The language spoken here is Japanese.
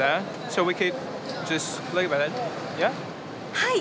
はい！